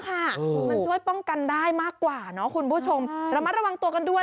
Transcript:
มันช่วยป้องกันได้มากกว่าเนอะคุณผู้ชมระมัดระวังตัวกันด้วย